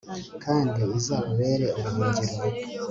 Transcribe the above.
kandi izababere ubuhungiro